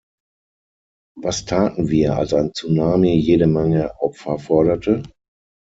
Was taten wir, als ein Tsunami jede Menge Opfer forderte?